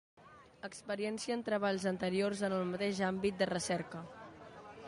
Experiència en treballs anteriors en el mateix àmbit de recerca.